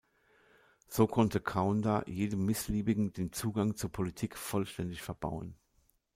So konnte Kaunda jedem Missliebigen den Zugang zur Politik vollständig verbauen.